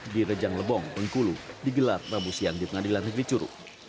di rejang lebong bengkulu digelar rabu siang di pengadilan negeri curug